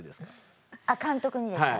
あ監督にですか？